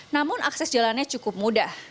namun akses jalannya cukup mudah